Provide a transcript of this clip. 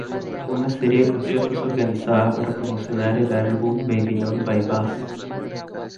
Fue una serie de conciertos organizada para promocionar el álbum Babylon By Bus.